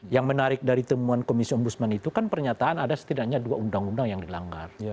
yang menarik dari temuan komisi ombudsman itu kan pernyataan ada setidaknya dua undang undang yang dilanggar